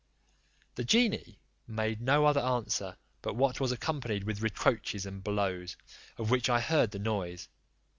The genie made no other answer but what was accompanied with reproaches and blows, of which I heard the noise.